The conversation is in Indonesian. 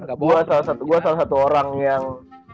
gak gue salah satu orang yang